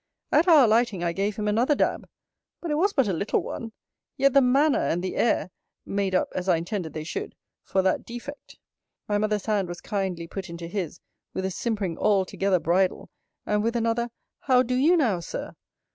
At our alighting I gave him another dab; but it was but a little one. Yet the manner, and the air, made up (as I intended they should) for that defect. My mother's hand was kindly put into his, with a simpering altogether bridal; and with another How do you now, Sir?